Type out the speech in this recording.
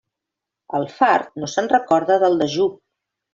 El fart no se'n recorda del dejú.